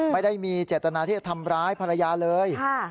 ไม่ได้มีเจตนาที่จะทำร้ายภรรยาเลย